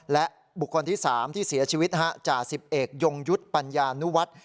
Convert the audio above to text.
และบุคคลที่๓ที่เสียชีวิตจ่าสิบเอกยงยุทธ์ปัญญานุวัฒน์